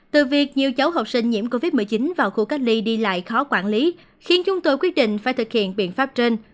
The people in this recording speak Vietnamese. từ việc nhiều cháu học sinh nhiễm covid một mươi chín vào khu cách ly đi lại khó quản lý khiến chúng tôi quyết định phải thực hiện biện pháp trên